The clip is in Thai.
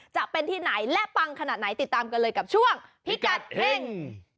จะเป็นที่ไหนและปังขนาดไหนติดตามกันเลยกับช่วงพิกัดเฮ่ง